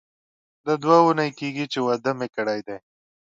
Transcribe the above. دا دوه اونۍ کیږي چې واده مې کړی دی.